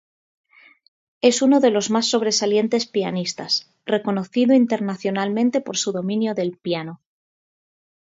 Es uno de los más sobresalientes pianistas, reconocido internacionalmente por su dominio del piano.